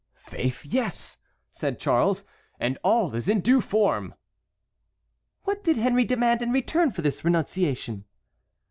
"Faith, yes," said Charles, "and all is in due form." "What did Henry demand in return for this renunciation?"